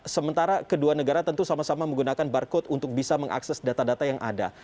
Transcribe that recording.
sementara kedua negara tentu sama sama menggunakan barcode untuk bisa mengakses data data yang ada